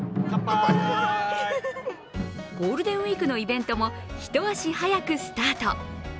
ゴールデンウイークのイベントも一足早くスタート。